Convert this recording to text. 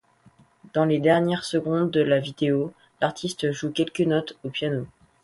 Dans les dernières secondes de la vidéo, l'artiste joue quelques notes au piano.